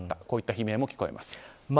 こういった悲鳴も聞こえます。